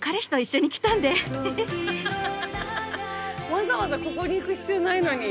わざわざここに行く必要ないのに。